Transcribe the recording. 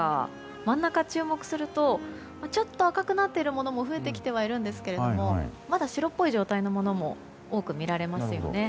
真ん中に注目するとちょっと赤くなっているものも増えてきてはいるんですが白っぽい状態のものも多く見られますよね。